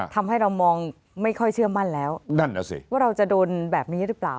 ทำให้เรามองไม่ค่อยเชื่อมั่นแล้วนั่นอ่ะสิว่าเราจะโดนแบบนี้หรือเปล่า